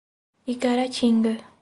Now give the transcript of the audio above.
Igaratinga